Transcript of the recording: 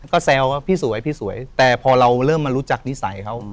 ก็แซวว่าพี่สวยพี่สวยแต่พอเราเริ่มมารู้จักนิสัยเขา